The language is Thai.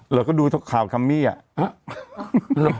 หรอกก็ดูข่าวกัมมี่อะ